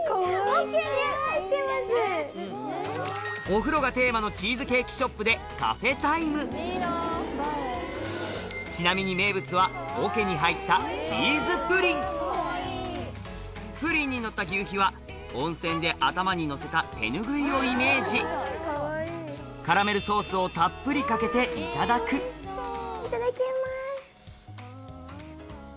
お風呂がテーマのチーズケーキショップでカフェタイムちなみに名物は桶に入ったプリンにのったぎゅうひは温泉で頭にのせた手ぬぐいをイメージカラメルソースをたっぷりかけていただくいただきます。